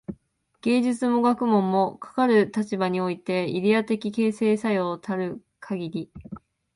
芸術や学問も、かかる立場においてイデヤ的形成作用たるかぎり、